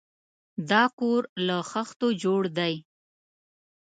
دا کور له خښتو جوړ دی.